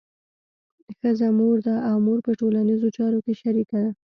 ښځه مور ده او مور په ټولنیزو چارو کې شریکه ده.